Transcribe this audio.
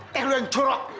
teh lo yang jorok